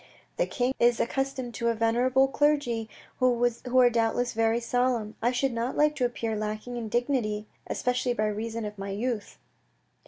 "The King of is accustomed to a venerable clergy who are doubtless very solemn. I should not like to appear lacking in dignity, especially by reason of my youth."